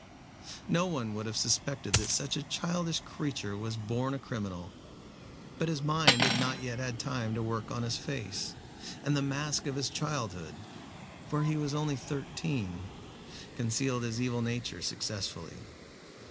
No one would have suspected that such a childish creature was a born criminal. But his mind had not yet had time to work on his face, and the mask of his childhood for he was only thirteen concealed his evil nature successfully.